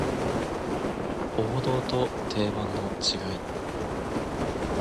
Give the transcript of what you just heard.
王道と定番の違い